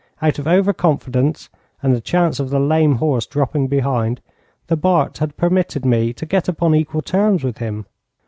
Out of over confidence, and the chance of the lame horse dropping behind, the Bart had permitted me to get upon equal terms with him.